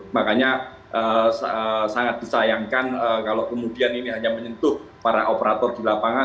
makanya sangat disayangkan kalau kemudian ini hanya menyentuh para operator di lapangan